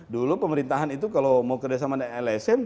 dulu pemerintahan itu kalau mau kerja sama dengan nsm